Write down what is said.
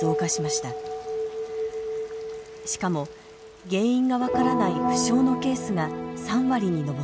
しかも原因が分からない不詳のケースが３割に上っています。